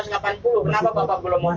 kenapa bapak belum mau